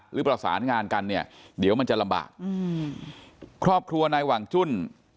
หรือประสานงานกันเนี่ยเดี๋ยวมันจะลำบากอืมครอบครัวนายหว่างจุ้น